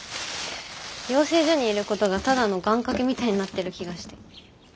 養成所にいることがただの願かけみたいになってる気がして。